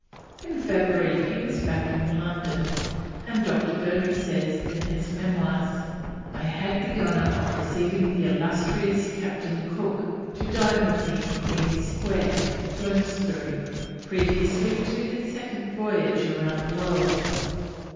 In February he was back in London, and Dr. Burney says in his Memoirs: "I had the honour of receiving the illustrious Captain Cook to dine with me in Queen's Square [Bloomsbury] previously to his second voyage round the world.